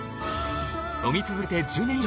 飲み続けて１０年以上。